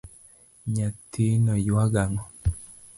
Nyathino ywago ango.